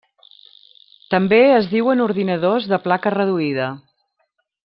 També es diuen ordinadors de placa reduïda.